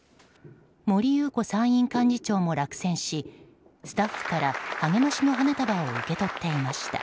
森裕子参院幹事長も落選しスタッフから励ましの花束を受け取っていました。